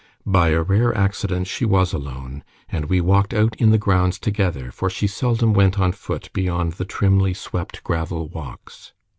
By a rare accident she was alone, and we walked out in the grounds together, for she seldom went on foot beyond the trimly swept gravel walks.